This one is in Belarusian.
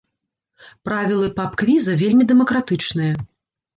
Правілы паб-квіза вельмі дэмакратычныя.